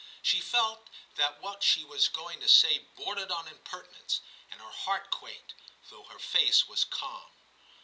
She felt that what she was going to say bordered on impertinence, and her heart quaked, though her face was calm.